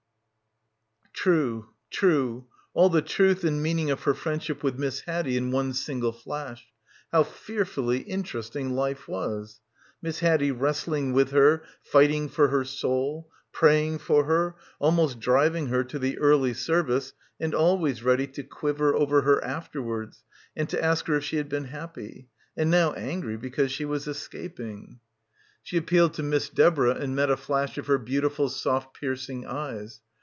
True. True. All the truth and meaning of her friendship with Miss Haddie in one single flash. How fearfully interesting life was. Miss Haddie wrestling with her, fighting for her soul; praying for her, almost driving her to the early service and always ready to quiver over her afterwards and to ask her if she had been happy. ... And now angry because she was es caping. — 2$3 — PILGRIMAGE She appealed to Miss Deborah and met a flash of her beautiful soft piercing eyes.